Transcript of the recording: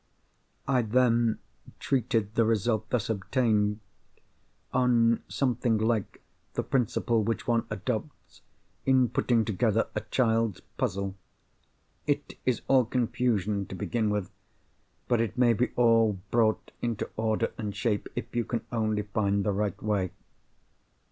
I then treated the result thus obtained, on something like the principle which one adopts in putting together a child's 'puzzle.' It is all confusion to begin with; but it may be all brought into order and shape, if you can only find the right way.